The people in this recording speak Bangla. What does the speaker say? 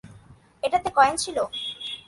এটাতে কয়েন ছিল?